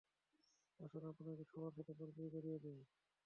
আসুন, আপনাকে সবার সাথে পরিচয় করিয়ে দেই।